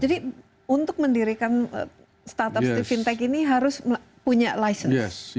jadi untuk mendirikan startup di fintech ini harus punya license